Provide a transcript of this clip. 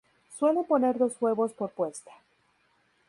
Suelen poner dos huevos por puesta.